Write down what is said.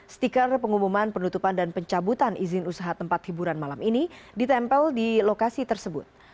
stiker pengumuman penutupan dan pencabutan izin usaha tempat hiburan malam ini ditempel di lokasi tersebut